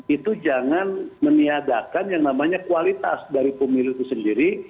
itu jangan meniadakan yang namanya kualitas dari pemilu itu sendiri